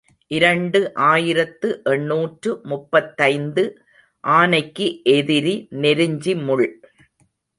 இரண்டு ஆயிரத்து எண்ணூற்று முப்பத்தைந்து ஆனைக்கு எதிரி நெருஞ்சி முள்.